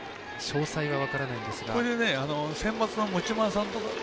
詳細は分からないんですが。